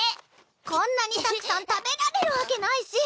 こんなにたくさん食べられるわけないし！